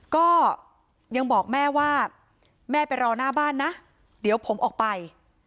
ก็ยังบอกแม่ว่าแม่ไปรอหน้าบ้านนะเดี๋ยวผมออกไป